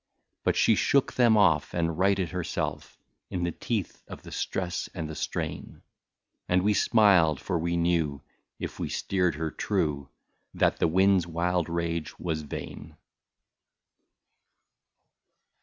1 68 But she shook them off and righted herself, In the teeth of the stress and the strain ; And we smiled, for we knew, if we steered her true. That the wind's wild rage was vain.